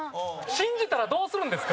信じたら、どうするんですか？